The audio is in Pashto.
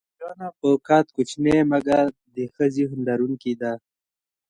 سارا جانه په قد کوچنۍ مګر د ښه ذهن لرونکې ده.